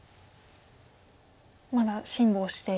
まだ辛抱して。